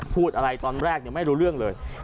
พูดอะไรตอนแรกไม่รู้เรื่องเลย